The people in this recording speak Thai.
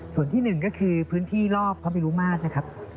ส่วนที่หนึ่งก็คือพื้นที่รอบพระมิรุมาตรนะครับ